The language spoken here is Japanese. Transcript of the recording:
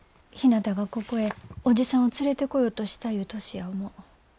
ひなたがここへ伯父さんを連れてこようとしたいう年や思う。